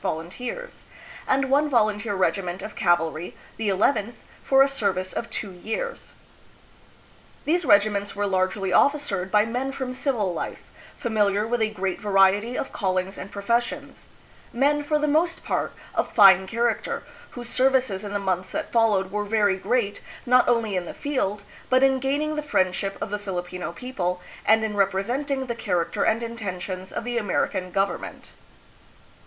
Volunteers, and 1 one volunteer regiment of cavalry, the llth, for a service of two years. These regiments were largely officered by men from civil life, familiar with a great variety of callings and professions, men for the most part of fine character, whose services in the months that followed were very great not only in the field, but in gaining the friendship of the Filipino people and in representing the character and intentions of the American government.